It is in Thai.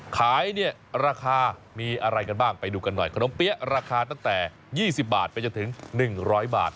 ขายเนี่ยราคามีอะไรกันบ้างไปดูกันหน่อยขนมเปี๊ยะราคาตั้งแต่๒๐บาทไปจนถึง๑๐๐บาท